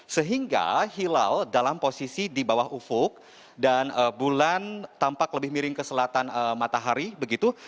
sehingga hilal dalam posisi di bawah ufuk dan bulan tampak lebih miring ke selatan matahari begitu